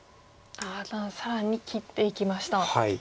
ああ更に切っていきました。